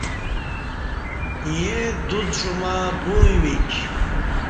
ییں دوڅ جمعہ بوعݩویک